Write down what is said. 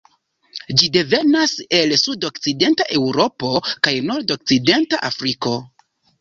Ĝi devenas el sudokcidenta Eŭropo kaj nordokcidenta Afriko.